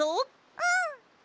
うん！